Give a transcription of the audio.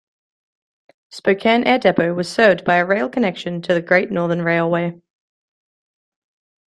Spokane Air Depot was served by a rail connection to the Great Northern Railway.